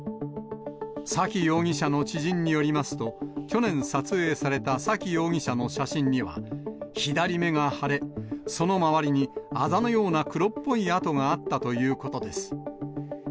沙喜容疑者の知人によりますと、去年、撮影された沙喜容疑者の写真には、左目が腫れ、その周りにあざのような黒っぽいあとがあったということです。